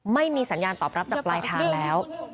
ไม่มีสัญญาณตอบรับจากปลายทางแล้ว